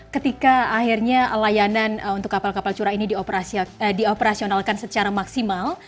ketika akhirnya layanan untuk kapal kapal curah ini dioperasionalkan secara maksimal